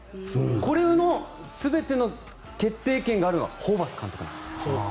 これの全ての決定権があるのはホーバス監督なんです。